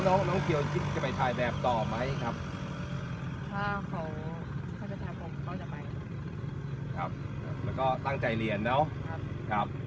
ก็ไม่รักก็ไม่รักก็ไม่รักก็ไม่รักก็ไม่รัก